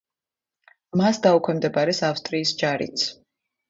მას დაუქვემდებარეს ავსტრიის ჯარიც.